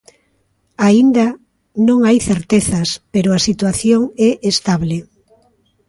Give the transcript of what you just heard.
Aínda non hai certezas, pero a situación é estable.